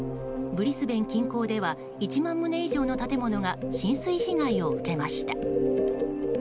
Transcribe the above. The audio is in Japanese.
ブリスベン近郊では１万棟以上の建物が浸水被害を受けました。